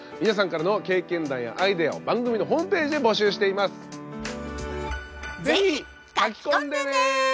皆さんからの経験談やアイデアを番組のホームページで募集しています。